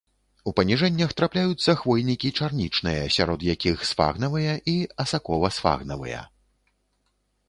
У паніжэннях трапляюцца хвойнікі чарнічныя, сярод якіх сфагнавыя і асакова-сфагнавыя.